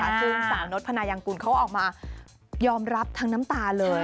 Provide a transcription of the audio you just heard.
ซึ่งสาวนศพนายังกุลเขาออกมายอมรับทั้งน้ำตาเลย